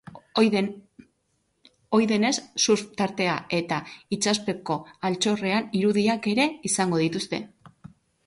Ohi denez, surf tartea eta itsaspeko altxorren irudiak ere izango dituzte.